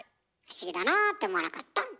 不思議だなあって思わなかった？